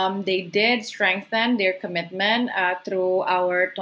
mereka memperkuat komitmen mereka